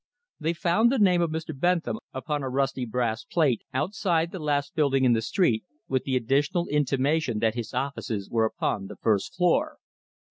They found the name of Mr. Bentham upon a rusty brass plate outside the last building in the street, with the additional intimation that his offices were upon the first floor.